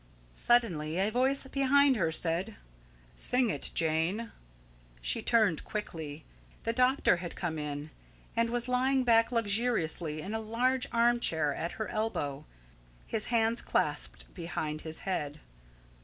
Suddenly a voice behind her said: "Sing it, Jane." She turned quickly. The doctor had come in, and was lying back luxuriously in a large arm chair at her elbow, his hands clasped behind his head.